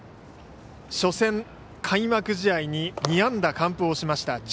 初戦、開幕試合に２安打完封をしました。